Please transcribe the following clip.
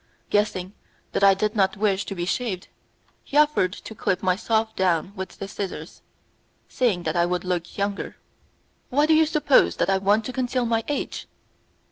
Guessing that I did not wish to be shaved, he offered to clip my soft down with the scissors, saying that I would look younger. "Why do you suppose that I want to conceal my age?"